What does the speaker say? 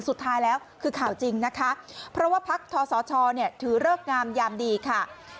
สุดท้ายแล้วคือข่าวจริงนะคะเพราะว่าพักทศชถือเลิกงามยามดีค่ะ